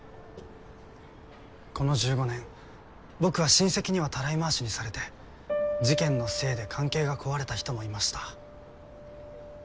この１５年僕は親戚にはたらい回しにされて事件のせいで関係が壊れた人もいました。